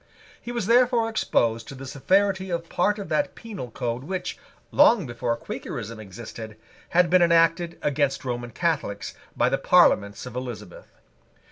He was therefore exposed to the severity of part of that penal code which, long before Quakerism existed, had been enacted against Roman Catholics by the Parliaments of Elizabeth.